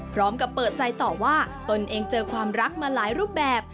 พร้อมกับเปิดใจต่อว่าตนเองเจอความรักมาหลายรูปแบบ